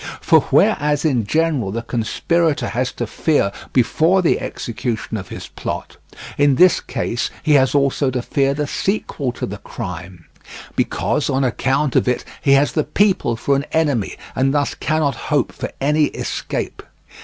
For whereas in general the conspirator has to fear before the execution of his plot, in this case he has also to fear the sequel to the crime; because on account of it he has the people for an enemy, and thus cannot hope for any escape.